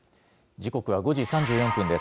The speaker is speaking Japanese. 時刻は５時３４分です。